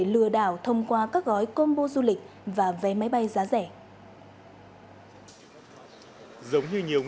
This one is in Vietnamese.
lừa đảo thông qua các gói combo du lịch và vé máy bay giá rẻ